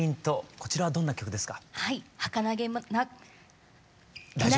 これはどんな曲ですか？